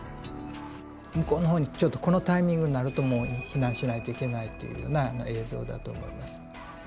向こうの方にちょっとこのタイミングになるともう避難しないといけないというような映像だと思います。